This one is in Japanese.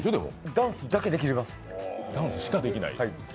ダンスだけできます。